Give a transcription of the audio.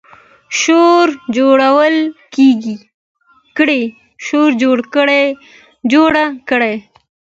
شورا جوړه کړه.